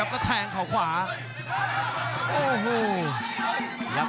รับทราบบรรดาศักดิ์